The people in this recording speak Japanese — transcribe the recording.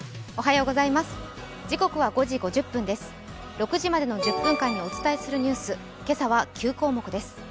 ６時までの１０分間にお伝えするニュース、今朝は９項目です。